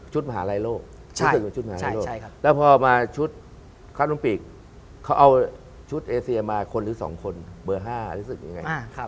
ชุดมหาลัยโลกแล้วพอมาชุดคัทอุปกรณ์เขาเอาชุดเอเซียมาคนหรือ๒คนเบอร์๕หรือสิ่งนี้